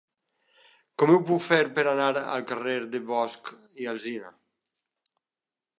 Com ho puc fer per anar al carrer de Bosch i Alsina?